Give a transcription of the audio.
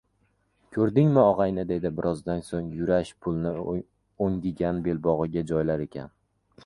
– Koʻrdingmi, ogʻayni, – dedi birozdan soʻng Yurash pulni oʻngigan belbogʻiga joylar ekan